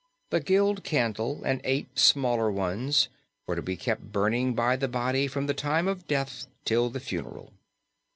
The Guild candle and eight smaller ones were to be kept burning by the body from the time of death till the funeral.